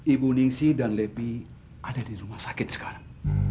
ibu ningsi dan lebi ada di rumah sakit sekarang